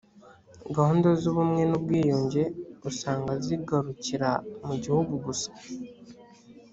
gahunda z ubumwe n ubwiyunge usanga zigarukira mu gihugu gusa